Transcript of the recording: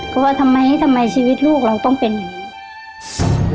ก็ว่าทำไมทำไมชีวิตลูกเราต้องเป็นอย่างนี้